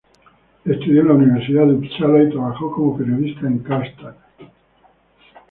Estudió en la Universidad de Upsala y trabajó como periodista en Karlstad.